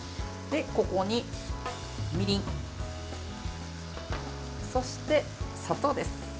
ここにみりん、そして砂糖です。